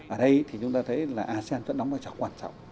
ở đây thì chúng ta thấy là asean vẫn đóng vào trọng quan trọng